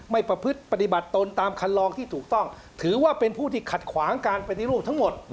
ประพฤติปฏิบัติตนตามคันลองที่ถูกต้องถือว่าเป็นผู้ที่ขัดขวางการปฏิรูปทั้งหมด